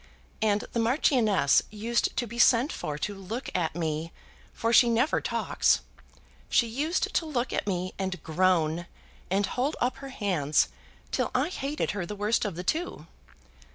And the Marchioness used to be sent for to look at me, for she never talks. She used to look at me, and groan, and hold up her hands till I hated her the worst of the two.